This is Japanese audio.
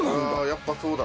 やっぱそうだ。